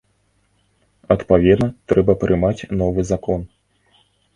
Адпаведна, трэба прымаць новы закон.